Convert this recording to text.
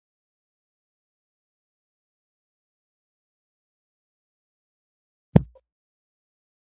د میرمنو کار او تعلیم مهم دی ځکه چې تبعیض پر وړاندې مبارزه ده.